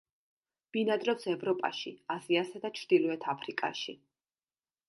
ბინადრობს ევროპაში, აზიასა და ჩრდილოეთ აფრიკაში.